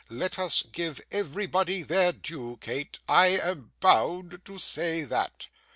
Let us give everybody their due, Kate; I am bound to say that.